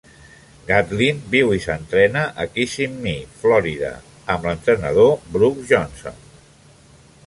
Gatlin viu i s'entrena a Kissimmee, Florida, amb l'entrenador Brooks Johnson.